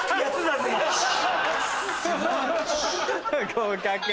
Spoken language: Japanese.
合格。